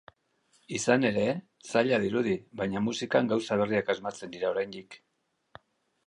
Izan ere, zaila dirudi, baina musikan gauza berriak asmatzen dira oraindik.